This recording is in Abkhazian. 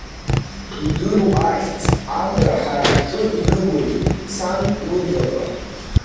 Идыру ахьӡ, Амра ҳара ҳҿы игылоит, Сан лыблақәа.